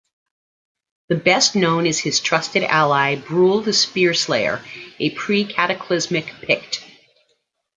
The best known is his trusted ally Brule the Spear-slayer, a pre-cataclysmic Pict.